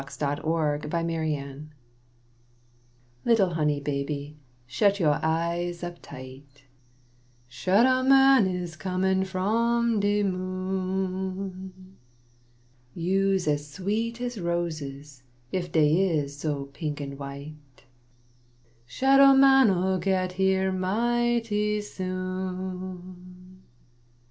A SOUTHERN LULLABY Little honey baby, shet yo' eyes up tight; (Shadow man is comin' from de moon!) You's as sweet as roses if dey is so pink an white; (Shadow man '11 get here mighty soon.)